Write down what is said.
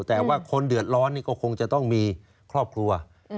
แต่ว่าคนเดือดร้อนนี่ก็คงจะต้องมีครอบครัว